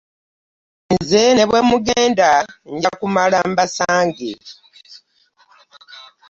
Nze ne bwe mugenda nja kumala mbasange.